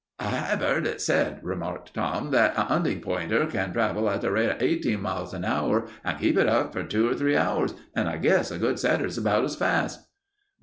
"Hi've 'eard it said," remarked Tom, "that an 'unting pointer can travel at the rate of eighteen miles an hour and keep it up for two or three hours, and I guess a good setter's about as fast."